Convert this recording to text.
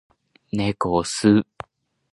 猫を吸う